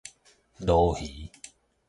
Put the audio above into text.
鱸魚